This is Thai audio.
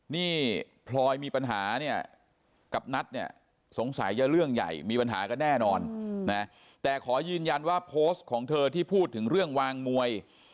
นี่พลอยมีปัญหาเนี่ยกับนัทเนี่ยสงสัยจะเรื่องใหญ่มีปัญหากันแน่นอนนะแต่ขอยืนยันว่าโพสต์ของเธอที่พูดถึงเรื่องวางมวย